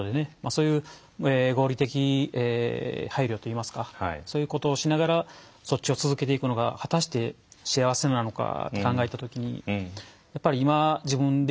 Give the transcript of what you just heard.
そういう合理的配慮といいますかそういうことをしながらそっちを続けていくのが果たして幸せなのかって考えた時に今自分でしかできない